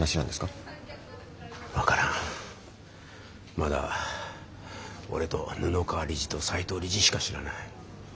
まだ俺と布川理事と斎藤理事しか知らない。